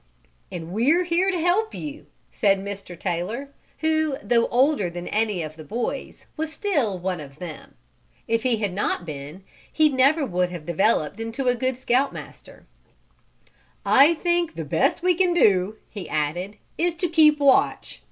"And we're here to help you," said Mr. Taylor, who though older than any of the boys was still "one of them." If he had not been he would never have developed into a good Scout Master. "I think the best we can do," he added, "is to keep watch.